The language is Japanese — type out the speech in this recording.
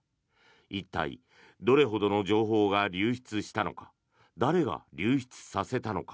一体、どれほどの情報が流出したのか誰が流出させたのか。